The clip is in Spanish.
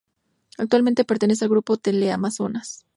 Actualmente pertenece a Grupo Teleamazonas.